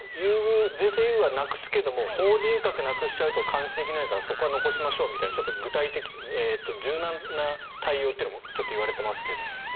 税制優遇はなくすけど法人格をなくすと監視できないからそこは残しましょうみたいな具体的、柔軟な対応というのも言われていますが。